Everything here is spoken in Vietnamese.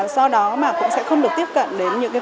do đó mà cũng sẽ không được tiếp cận đến những vấn đề